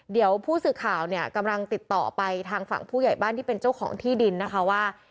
เดี๋ยวผู้สื่อข่าวเนี่ยกำลังติดต่อไปทางฝั่งผู้ใหญ่บ้านที่เป็นเจ้าของที่ดินนะคะว่า